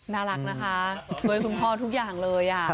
น่ารักนะคะช่วยคุณพ่อทุกอย่างเลย